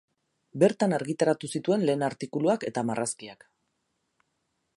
Bertan argitaratu zituen lehen artikuluak eta marrazkiak.